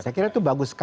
saya kira itu bagus